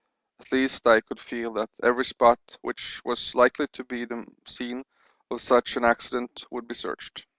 At least I could feel that every spot which was likely to be the scene of such an accident would be searched.